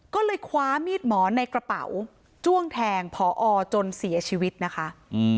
ก็เลยคว้ามีดหมอนในกระเป๋าจ้วงแทงพอจนเสียชีวิตนะคะ